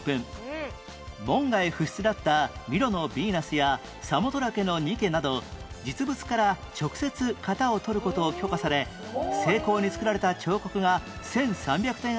門外不出だった『ミロのビーナス』や『サモトラケのニケ』など実物から直接型をとる事を許可され精巧につくられた彫刻が１３００点余りも展示